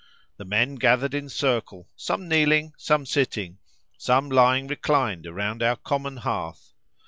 The men gathered in circle, some kneeling, some sitting, some lying reclined around our common hearth.